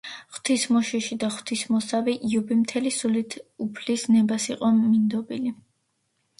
ღვთისმოშიში და ღვთისმოსავი იობი მთელი სულით უფლის ნებას იყო მინდობილი.